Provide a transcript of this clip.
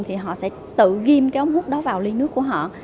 thì họ sẽ tự ghim cái ống hút đó vào ly nước của họ